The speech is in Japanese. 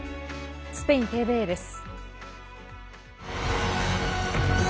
スペインＴＶＥです。